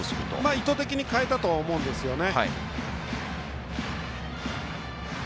意図的に変えたと思うんですよね。